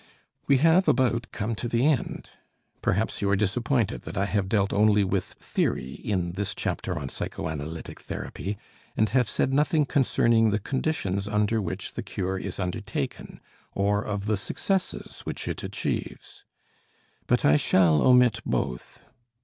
We have about come to the end. Perhaps you are disappointed that I have dealt only with theory in this chapter on psychoanalytic therapy, and have said nothing concerning the conditions under which the cure is undertaken, or of the successes which it achieves. But I shall omit both.